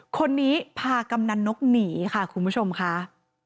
คนนี้พากำนันนกหนีค่ะคุณผู้ชมค่ะ